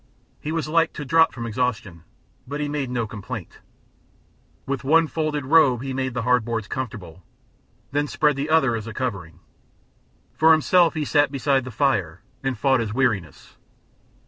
He was like to drop from exhaustion, but he made no complaint. With one folded robe he made the hard boards comfortable, then spread the other as a covering. For himself he sat beside the fire and fought his weariness.